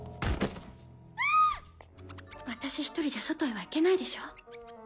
私一人じゃ外へは行けないでしょ。